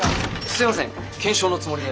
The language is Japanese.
すいません検証のつもりで。